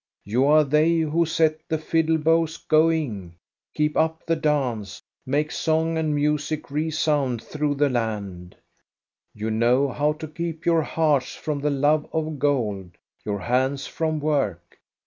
You are they who set the fiddle bows going, keep up the dance, make song and music resound through the land. You know how to keep your hearts from the love of gold, your hands from work.